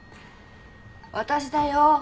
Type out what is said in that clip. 私だよ。